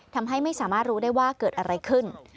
ทำให้ไม่สามารถรู้ได้ว่าเกิดอะไรขึ้น